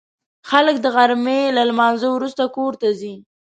خلک د غرمې له لمانځه وروسته کور ته ځي